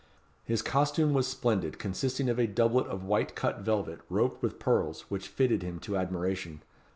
His costume was splendid, consisting of a doublet of white cut velvet, roped with pearls, which fitted him to admiration.